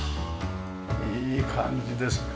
いい感じです。